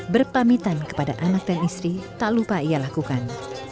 berpamitan kepada anak dan istri tak lupa ia lakukan